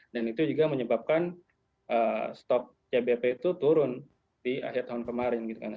dan itu juga menyebabkan stok cbp itu turun di akhir tahun kemarin gitu kan ya